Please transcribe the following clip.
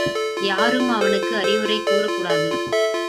யாரும் அவனுக்கு அறிவுரை கூறக்கூடாது.